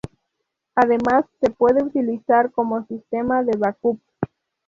Además, se puede utilizar como sistema de backup.